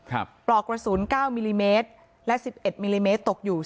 ครับปลอกกระสุนเก้ามิลิเมตรและสิบเอ็ดมิลิเมตรตกอยู่